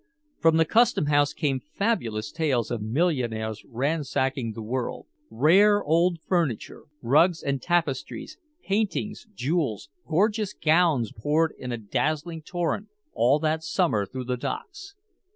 From the customhouse came fabulous tales of millionaires ransacking the world. Rare old furniture, rugs and tapestries, paintings, jewels, gorgeous gowns poured in a dazzling torrent all that summer through the docks.